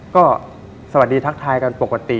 ก็สวัสดีทักทายกันปกติ